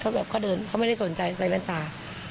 เขาก็เดินเขาไม่ได้สนใจใส่เล้นตา